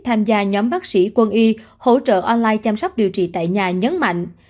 tham gia nhóm bác sĩ quân y hỗ trợ online chăm sóc điều trị tại nhà nhấn mạnh